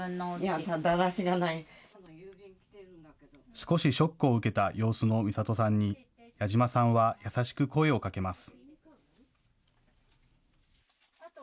少しショックを受けた様子のみさとさんに矢嶋さんは優しく声をかけます。